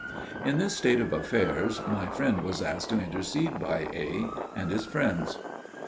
In this state of affairs my friend was asked to intercede by A. and his friends.